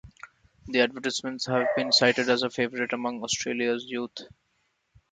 The advertisements have been cited as a favourite among Australia's youth.